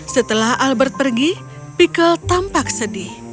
setelah albert pergi pikel tampak sedih